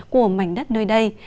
của mảnh đất nơi đây